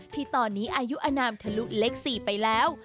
ที่ตอนนี้อายุอนามทะลุเล็ก๔ไปแล้ว